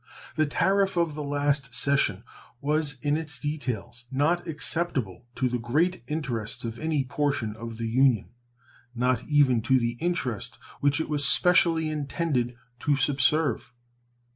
The tariff of the last session was in its details not acceptable to the great interests of any portion of the Union, not even to the interest which it was specially intended to subserve.